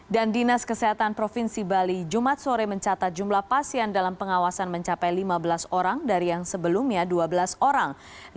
dan dinas kesehatan provinsi bali jumat sore mencatat jumlah pasien dalam pengawasan mencapai lima belas orang dari yang sebelumnya dua belas orang